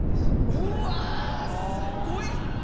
うわぁすっごい。